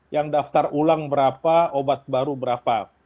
yang daftar ulang berapa obat baru berapa